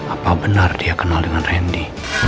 apa benar dia kenal dengan randy